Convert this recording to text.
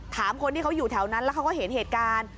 ถามคนที่เขาอยู่แถวนั้นแล้วเขาก็เห็นเหตุการณ์